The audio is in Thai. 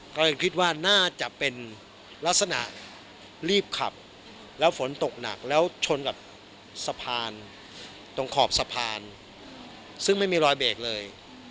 ก็เลยคิดว่าน่าจะเป็นลักษณะรีบขับแล้วฝนตกหนักแล้วชนกับสะพานตรงขอบสะพานซึ่งไม่มีรอยเบรกเลย